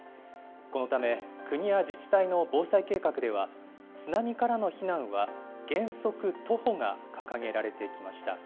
このため国や自治体の防災計画では、津波からの避難は原則徒歩が掲げられてきました。